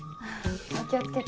お気を付けて。